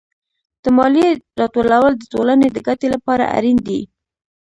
د مالیې راټولول د ټولنې د ګټې لپاره اړین دي.